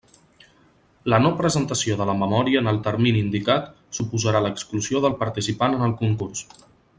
La no presentació de la memòria en el termini indicat, suposarà l'exclusió del participant en el concurs.